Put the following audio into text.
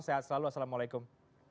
sehat selalu assalamualaikum